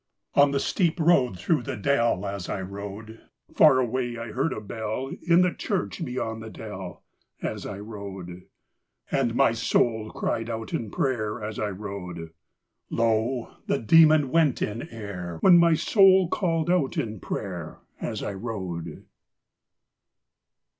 On the steep road through the dell, As I rode, Far away I heard a bell, In the church beyond the dell, As I rode. And my soul cried out in prayer, As I rode Lo! the demon went in air, When my soul called out in prayer, As I rode.